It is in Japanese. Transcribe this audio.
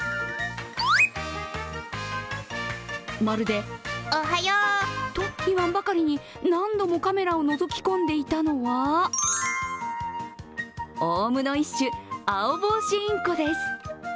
まるで、オハヨウと言わんばかりに何度もカメラをのぞき込んでいたのはオウムの一種アオボウシインコです。